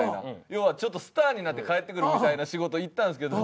要はちょっとスターになって帰ってくるみたいな仕事行ったんですけど。